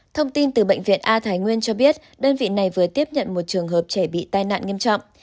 thông tin từ bệnh viện a thái nguyên cho biết đơn vị này vừa tiếp nhận một trường hợp trẻ bị tai nạn nghiêm trọng